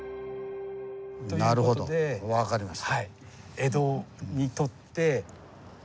なるほど分かりました。